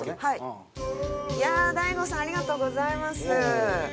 いやあ大悟さんありがとうございます！